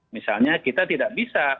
misalnya kita tidak bisa